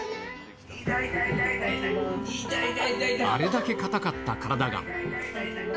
あれだけ硬かった体が。